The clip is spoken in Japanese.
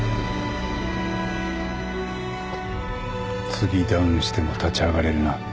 次ダウンしても立ち上がれるな？